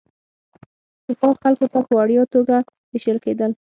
د ښار خلکو ته په وړیا توګه وېشل کېدل.